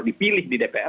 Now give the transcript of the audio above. dipilih di dpr